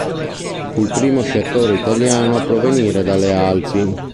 Fu il primo sciatore italiano a provenire dalle Alpi.